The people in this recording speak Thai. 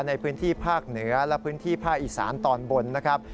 ในพื้นที่ภาคเหนือและพื้นที่ภาคอีสานตอนบนนะครับ